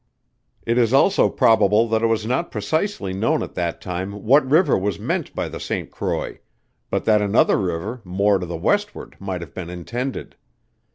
It is also probable that it was not precisely known at that time what river was meant by the St. Croix, but that another river, more to the westward, might have been intended.